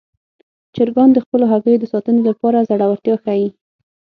چرګان د خپلو هګیو د ساتنې لپاره زړورتیا ښيي.